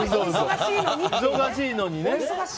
忙しいのにね。